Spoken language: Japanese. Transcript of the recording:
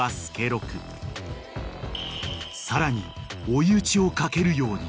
［さらに追い打ちをかけるように］